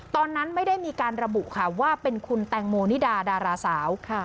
ตอนนั้นไม่ได้มีการระบุค่ะว่าเป็นคุณแตงโมนิดาดาราสาว